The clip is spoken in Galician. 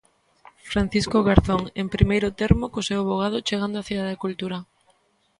Francisco Garzón, en primeiro termo, co seu avogado chegando á Cidade da Cultura.